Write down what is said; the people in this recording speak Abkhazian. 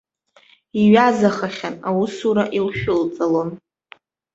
Иҩазахахьан, аусура илшәылҵалон.